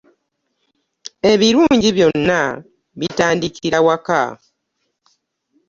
Ebirungi byonna bitandikira waka.